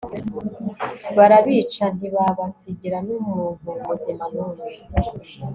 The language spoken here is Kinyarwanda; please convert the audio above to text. barabica ntibabasigira n'umuntu muzima n'umwe